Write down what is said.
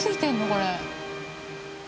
これ。